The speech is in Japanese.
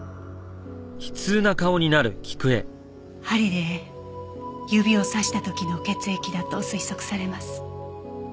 針で指を刺した時の血液だと推測されます。